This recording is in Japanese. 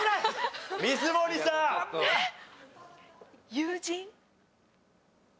友人？